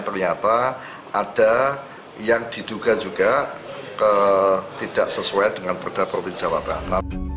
ternyata ada yang diduga juga tidak sesuai dengan perda provinsi jawa barat